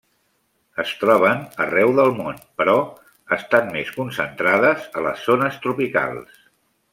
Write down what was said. Es troben arreu del món, però estan més concentrades a les zones tropicals.